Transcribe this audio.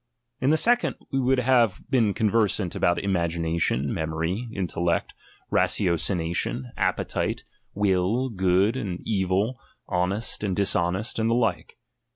In the second, we would have been conversant about imagination, memory, intellect, ratiocination, appetite, will, good and evil, honest and dishonest, and the Uke.